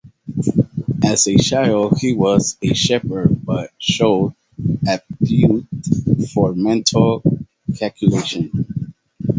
As a child he was a shepherd but showed aptitude for mental calculation.